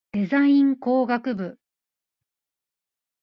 デザイン工学部